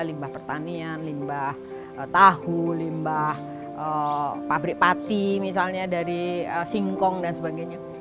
limbah pertanian limbah tahu limbah pabrik pati misalnya dari singkong dan sebagainya